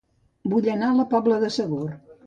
Vull anar a La Pobla de Segur